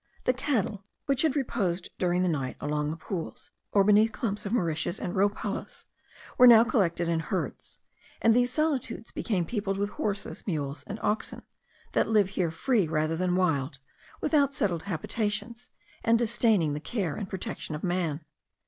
The cattle, which had reposed during the night along the pools, or beneath clumps of mauritias and rhopalas, were now collected in herds; and these solitudes became peopled with horses, mules, and oxen, that live here free, rather than wild, without settled habitations, and disdaining the care and protection of man.